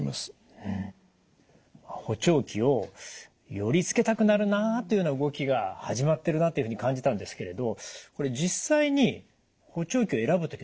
補聴器をよりつけたくなるなというような動きが始まってるなというふうに感じたんですけれどこれ実際に補聴器を選ぶ時の注意点ってありますか？